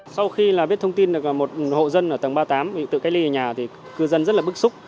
sau khi biết thông tin được một hộ dân ở tầng ba mươi tám bị tự cách ly ở nhà thì cư dân rất là bức xúc